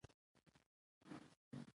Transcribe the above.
اګر که د مجتهدینو د ویناوو سره توافق ونه لری.